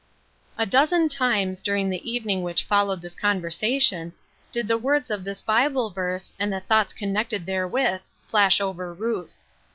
A dozen times, during the evening which fol 'owed this conversation, did the words of this Bible verse, and the thoughts connected there with, flash over Ruth.